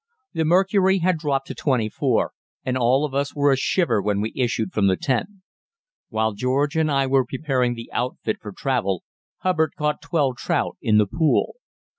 The mercury had dropped to 24, and all of us were a shiver when we issued from the tent. While George and I were preparing the outfit for travel Hubbard caught twelve trout in the pool.